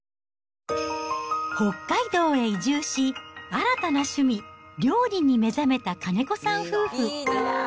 北海道へ移住し、新たな趣味、料理に目覚めた金子さん夫婦。